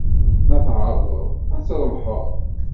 Ma tɛerḍeḍ, ad trebḥeḍ.